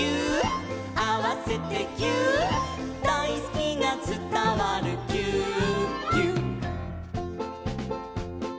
「あわせてぎゅーっ」「だいすきがつたわるぎゅーっぎゅっ」